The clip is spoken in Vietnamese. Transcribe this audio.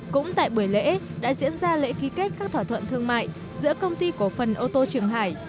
cũng tại buổi lễ đã diễn ra lễ ký kết các thỏa thuận thương mại giữa công ty cổ phần ô tô trường hải